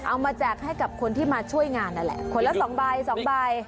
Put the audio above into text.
แจกให้กับคนที่มาช่วยงานนั่นแหละคนละสองใบสองใบ